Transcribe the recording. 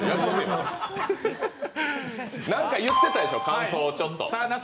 何か言ってたでしょ、感想をちょっと。